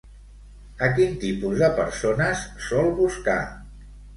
A quin tipus de persones sol buscar?